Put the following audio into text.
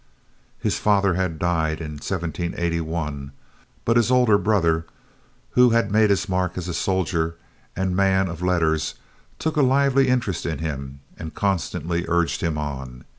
His father had died in 1781, but his oldest brother, who had made his mark as a soldier and man of letters, took a lively interest in him and constantly urged him on.